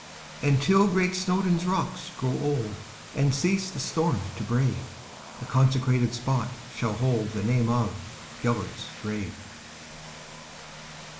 And, till great Snowdon's rocks grow old, And cease the storm to brave, The consecrated spot shall holdThe name of "Gêlert's Grave."